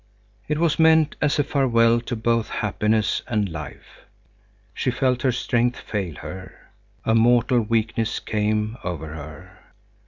It was meant as a farewell to both happiness and life. She felt her strength fail her. A mortal weakness came over her.